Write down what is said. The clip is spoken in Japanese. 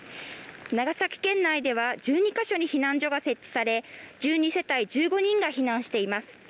長崎県内では１２カ所に避難所が設置され、１５人１２世帯が避難しています。